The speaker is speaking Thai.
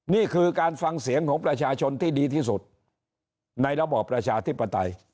นี่คือการฟังเสียงของประชาชนที่ดีที่สุดในระบอบประชาธิปไตย